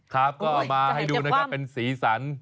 ก็เอามาให้ดูนะครับเป็นศีรษร